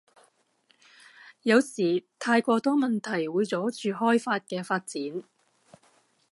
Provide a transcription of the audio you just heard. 有時太過多問題會阻住開法嘅發展